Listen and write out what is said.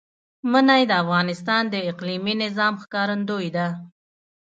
منی د افغانستان د اقلیمي نظام ښکارندوی ده.